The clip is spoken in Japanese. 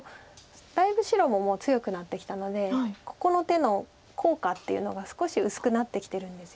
だいぶ白も強くなってきたのでここの手の効果っていうのが少し薄くなってきてるんですよね。